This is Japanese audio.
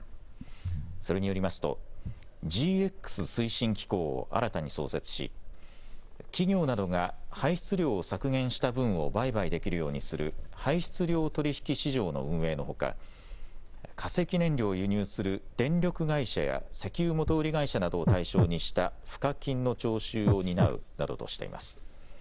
それによりますとＧＸ推進機構を新たに創設し、企業などが排出量を削減した分を売買できるようにする排出量取引市場の運営のほか化石燃料を輸入する電力会社や石油元売り会社などを対象にした賦課金の徴収を担うなどとしています。